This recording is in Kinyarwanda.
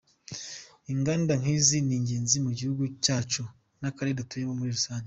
inganda nkizi ni ingenzi mu gihugu cyacu n;akarere dutuyemo muri rusange.